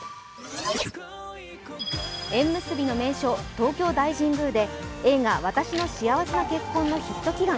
縁結びの名所・東京大神宮で映画「わたしの幸せな結婚」のヒット祈願。